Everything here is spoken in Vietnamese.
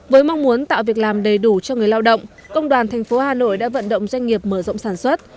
với mong muốn tạo việc làm đầy đủ cho người lao động công đoàn thành phố hà nội đã vận động doanh nghiệp mở rộng sản xuất